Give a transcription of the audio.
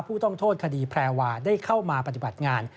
ผู้ต้องโทษคดีแพรวาได้เข้ามาปฏิบัติงาน